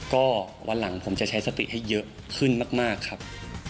ก็วันหลังผมจะใช้สติให้เยอะขึ้นมากครับ